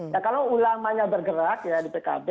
ya kalau ulamanya bergerak ya di pkb